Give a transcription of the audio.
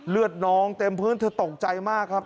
น้องเต็มพื้นเธอตกใจมากครับ